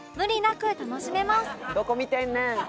「どこ見てんねん」